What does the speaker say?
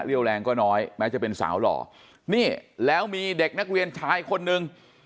แรงก็น้อยแม้จะเป็นสาวหล่อนี่แล้วมีเด็กนักเรียนชายคนนึง